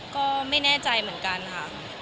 ก็ไม่แน่ใจเหมือนกันค่ะ